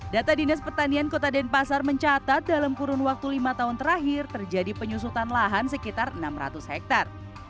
data dinas pertanian kota denpasar mencatat dalam kurun waktu lima tahun terakhir terjadi penyusutan lahan sekitar enam ratus hektare